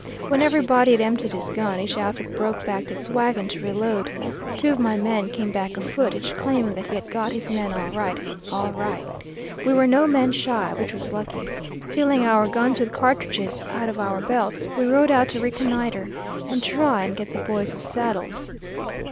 When everybody had emptied his gun, each outfit broke back to its wagon to reload. Two of my men came back afoot, each claiming that he had got his man all right, all right. We were no men shy, which was lucky. Filling our guns with cartridges out of our belts, we rode out to reconnoitre and try and get the boys' saddles.